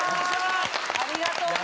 ありがとうね。